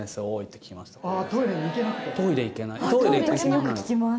私よく聞きます